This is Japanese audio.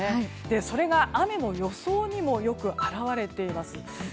それが雨の予想にもよく表れています。